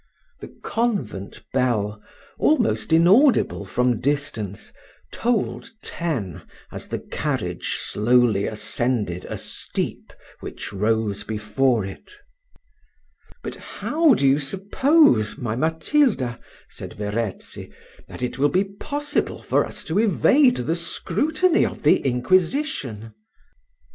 The convent bell, almost inaudible from distance, tolled ten as the carriage slowly ascended a steep which rose before it. "But how do you suppose, my Matilda," said Verezzi, "that it will be possible for us to evade the scrutiny of the inquisition?"